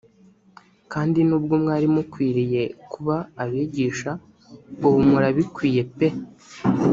kandi n’ubwo mwari mukwiriye kuba abigisha ubumurabikwiye pe